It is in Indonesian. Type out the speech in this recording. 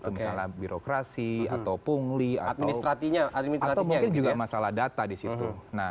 misalnya birokrasi atau pungli atau mungkin juga masalah data di situ